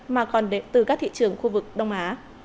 mà còn đến từ các thị trường khu vực đông á